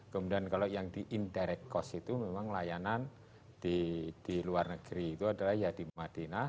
kemudian kalau yang di indirect cost itu memang layanan di luar negeri itu adalah ya di madinah